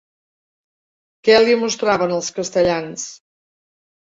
Què li mostraven els castellans?